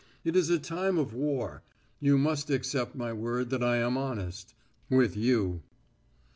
"It is a time of war. You must accept my word that I am honest with you."